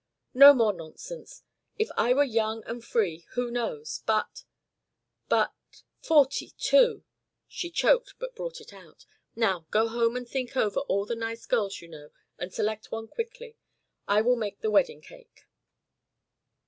"No more nonsense! If I were young and free who knows? But but forty two!" She choked but brought it out. "Now go home and think over all the nice girls you know and select one quickly. I will make the wedding cake."